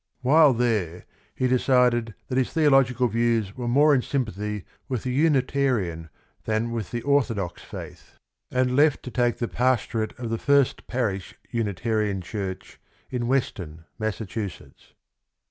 While there he decided that his theological views were more in sympathy with the Unitarian than with the Or FOREWORD ix thodox faith, and left to take the pastorate of the First Parish (Unitarian) Church in Weston, Massachusetts.